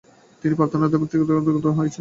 তিনি প্রার্থনারত ব্যক্তিতে আক্রমণে উদ্যত হয়েছেন।